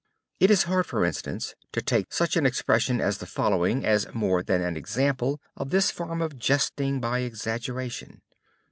It is hard, for instance, to take such an expression as the following as more than an example of this form of jesting by exaggeration.